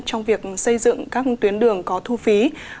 trong việc xây dựng các tuyến đường có thu phí